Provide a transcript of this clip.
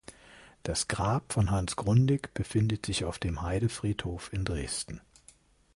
Das Grab von Hans Grundig befindet sich auf dem Heidefriedhof in Dresden.